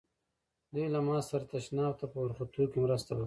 دوی له ما سره تشناب ته په ورختو کې مرسته وکړه.